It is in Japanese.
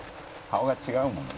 「顔が違うもんもう」